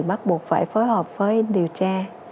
bắt buộc phải phối hợp với điều tra